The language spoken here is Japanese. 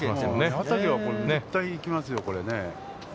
畠は絶対行きますよ、これね。